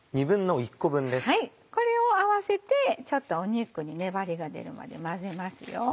これを合わせてちょっと肉に粘りが出るまで混ぜますよ。